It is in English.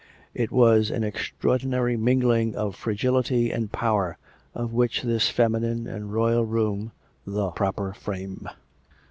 It was an extraordinary mingling of fragility and power, of which this feminine and royal room was the proper frame.